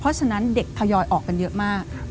เพราะฉะนั้นเด็กทยอยออกกันเยอะมาก